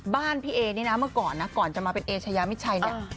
บ้านพี่เอนี่นะเมื่อก่อนนะก่อนจะมาเป็นเอชายามิดชัยเนี่ย